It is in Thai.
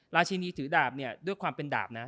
ชินีถือดาบเนี่ยด้วยความเป็นดาบนะ